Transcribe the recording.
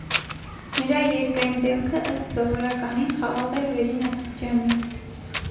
Նրա երկայն դեմքն, ըստ սովորականին, խաղաղ էր վերին աստիճանի.